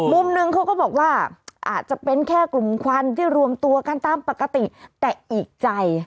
มุมหนึ่งเขาก็บอกว่าอาจจะเป็นแค่กลุ่มควันที่รวมตัวกันตามปกติแต่อีกใจ